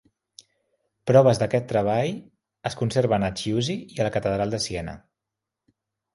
Proves d'aquest treball es conserven en Chiusi i en la Catedral de Siena.